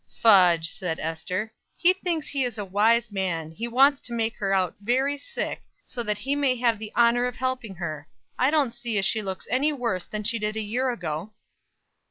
"Fudge!" said Ester. "He thinks he is a wise man; he wants to make her out very sick, so that he may have the honor of helping her. I don't see as she looks any worse than she did a year ago."